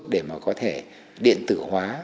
để mà có thể điện tử hóa